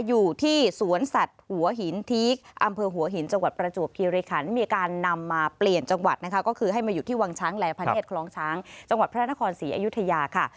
อยู่ที่สวนสัตว์หัวหินทีกอำเภอหัวหินจังหวัดประจวบคิริขันมีการนำมาเปลี่ยนจังหวัดนะคะก็คือให้มาอยู่ที่วังช้างแลพะเนียดคลองช้างจังหวัดพระนครศรีอยุธยาค่ะ